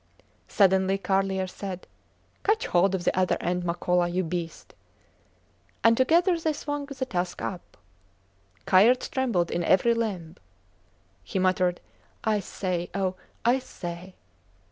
Suddenly Carlier said: Catch hold of the other end, Makola you beast! and together they swung the tusk up. Kayerts trembled in every limb. He muttered, I say! O! I say!